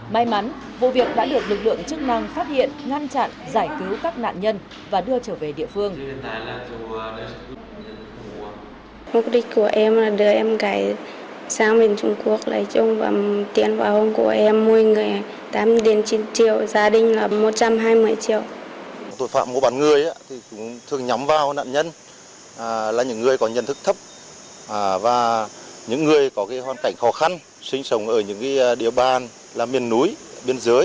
may mắn vụ việc đã được lực lượng chức năng phát hiện ngăn chặn giải cứu các nạn nhân